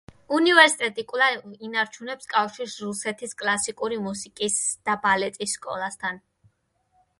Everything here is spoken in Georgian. უნივერსიტეტი კვლავ ინარჩუნებს კავშირს რუსეთის კლასიკური მუსიკის და ბალეტის სკოლასთან.